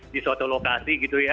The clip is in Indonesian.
di suatu lokasi